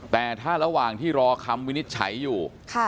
แต่ถ้าระหว่างที่รอคำวินิจฉัยอยู่